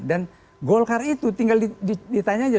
dan golkar itu tinggal ditanya aja